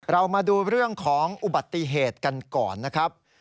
เรามาดูเรื่องของอุบัติเหตุกันก่อนนะครับ